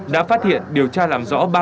đã phát hiện điều tra làm rõ